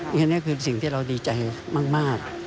อันนี้คือสิ่งที่เราดีใจมาก